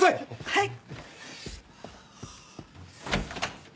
はい！